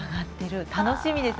楽しみですね。